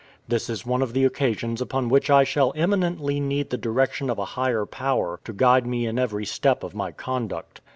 This is one of the occasions upon which I shall eminently need the direction of a higher power to guide me in every step of my conduct.